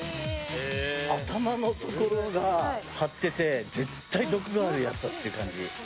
頭のところが張ってて絶対毒があるって感じ。